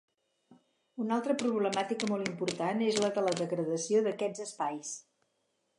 Una altra problemàtica molt important és la de la degradació d'aquests espais.